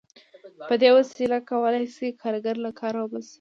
په دې وسیله کولای شي کارګر له کاره وباسي